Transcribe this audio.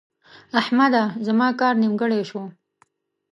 احمده! زما کار نیمګړی شو.